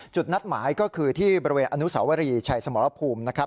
นัดหมายก็คือที่บริเวณอนุสาวรีชัยสมรภูมินะครับ